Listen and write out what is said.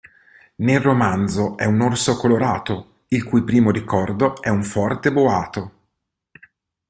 Nel romanzo è un orso colorato il cui primo ricordo è un forte boato.